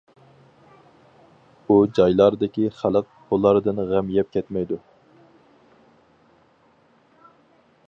ئۇ جايلاردىكى خەلق بۇلاردىن غەم يەپ كەتمەيدۇ.